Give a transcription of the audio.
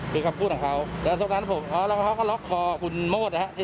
คือการพูดของเขาแล้วตรงนั้นพวกเขาก็ล็อกคอคุณโมดครับ